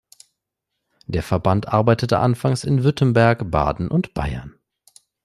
Der Verband arbeitete anfangs in Württemberg, Baden und Bayern.